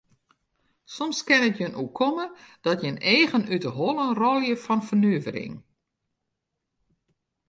Soms kin it jin oerkomme dat jins eagen út de holle rôlje fan fernuvering.